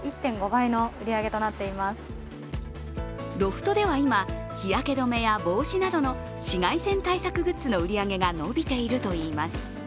ロフトでは今、日焼け止めや帽子などの紫外線対策グッズの売り上げが伸びているといいます。